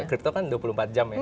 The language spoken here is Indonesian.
kripto kan dua puluh empat jam ya